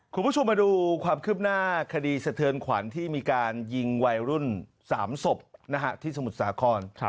คุณผู้ชมมาดูความคืบหน้าคดีสะเทือนขวัญที่มีการยิงวัยรุ่น๓ศพที่สมุทรสาคร